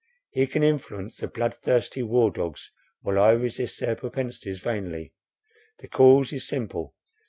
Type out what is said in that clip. He can influence the blood thirsty war dogs, while I resist their propensities vainly. The cause is simple.